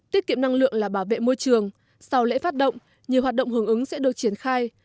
tiết kiệm năng lượng là bảo vệ môi trường sau lễ phát động nhiều hoạt động hưởng ứng sẽ được triển khai